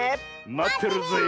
まってるぜえ。